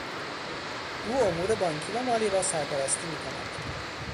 او امور بانکی و مالی را سرپرستی می کند.